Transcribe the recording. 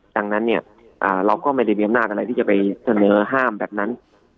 ดังนั้นเนี่ยเราก็ไม่ได้มีอำนาจอะไรที่จะไปเสนอห้ามแบบนั้น